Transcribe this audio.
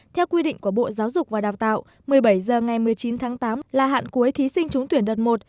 theo quy định của bộ giáo dục và đào tạo một mươi bảy h ngày một mươi chín tháng tám là hạn cuối thí sinh trúng tuyển đợt một